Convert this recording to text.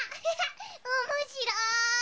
おもしろい！